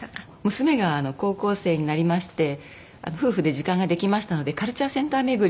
娘が高校生になりまして夫婦で時間ができましたのでカルチャーセンター巡りをして。